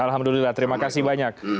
alhamdulillah terima kasih banyak